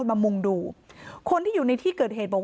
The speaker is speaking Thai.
นางศรีพรายดาเสียยุ๕๑ปี